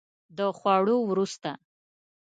د خوړو وروسته